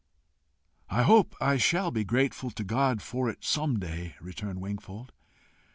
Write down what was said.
"I hope I shall be grateful to God for it some day," returned Wingfold.